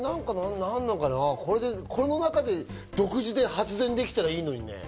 この中で独自で発電できたらいいのにね。